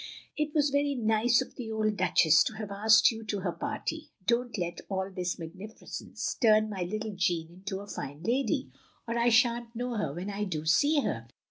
It was very nice of the old Duchess to have asked you to her party; don*t let all this mag nificence turn my little Jeanne into a fine lady, or I shan't know her when I do see her